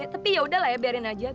tapi yaudahlah ya biarin aja